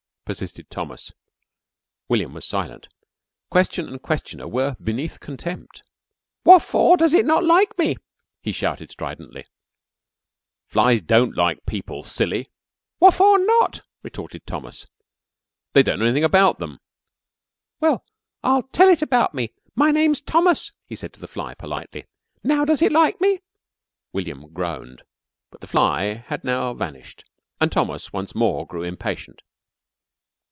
persisted Thomas. William was silent. Question and questioner were beneath contempt. "Waffor does it not like me?" he shouted stridently. "Flies don't like people, silly." "Waffor not?" retorted Thomas. "They don't know anything about them." "Well, I'll tell it about me. My name's Thomas," he said to the fly politely. "Now does it like me?" William groaned. But the fly had now vanished, and Thomas once more grew impatient.